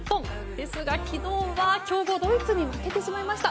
ですが、昨日は強豪ドイツに負けてしまいました。